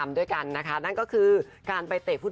ไม่สงสัยเลยเราไม่สงสัยเลย